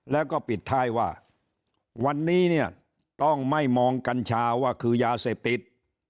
แล้วก็ปิดท้ายว่าวันนี้เนี่ยต้องไม่มองกัญชาว่าคือยาเสพติด